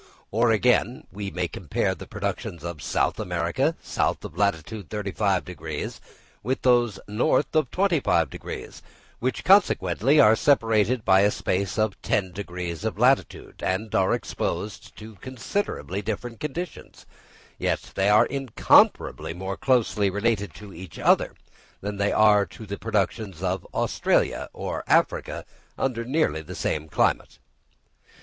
Or, again, we may compare the productions of South America south of latitude 35° with those north of 25°, which consequently are separated by a space of ten degrees of latitude, and are exposed to considerably different conditions; yet they are incomparably more closely related to each other than they are to the productions of Australia or Africa under nearly the same climate.